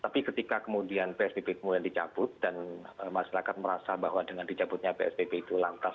tapi ketika kemudian psbb kemudian dicabut dan masyarakat merasa bahwa dengan dicabutnya psbb itu lantas